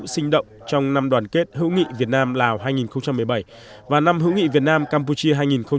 sinh động trong năm đoàn kết hữu nghị việt nam lào hai nghìn một mươi bảy và năm hữu nghị việt nam campuchia hai nghìn một mươi chín